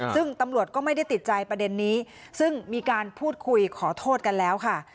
ซึ่งตำรวจก็ไม่ได้ติดใจประเด็นนี้ซึ่งมีการพูดคุยขอโทษกันแล้วค่ะ